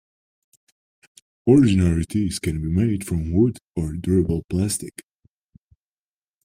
Ordinary tees can be made from wood or from durable plastic.